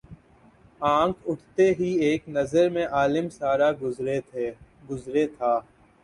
آنکھ اٹھتے ہی ایک نظر میں عالم سارا گزرے تھا